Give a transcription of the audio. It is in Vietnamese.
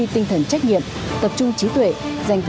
từ một phạm pháp